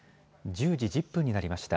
１０時１０分になりました。